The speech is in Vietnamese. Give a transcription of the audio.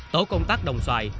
tổ công tác đồng xoài